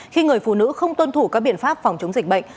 khi người phụ nữ không tuân thủ các biện pháp phòng chống dịch bệnh